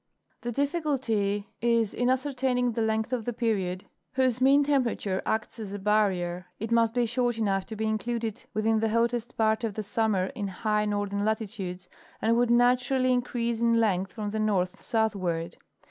The difficulty is in ascertaining the length of the period whose mean temperature acts asa barrier. It must be short enough to be included within the hottest part of the summer in high northern latitudes, and would naturally increase in length from the north southward.